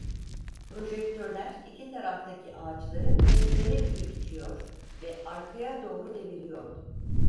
Projektörler iki taraftaki ağaçları testere gibi biçiyor ve arkaya doğru deviriyordu.